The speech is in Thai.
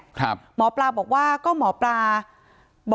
การแก้เคล็ดบางอย่างแค่นั้นเอง